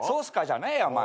じゃねえよお前。